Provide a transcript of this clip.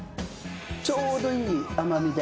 ちょうどいい甘みで。